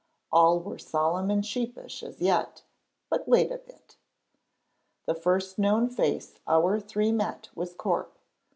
All were solemn and sheepish as yet, but wait a bit. The first known face our three met was Corp.